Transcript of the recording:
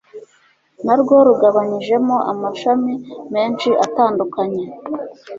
na rwo rugabanyijemo amashami menshi atandukanye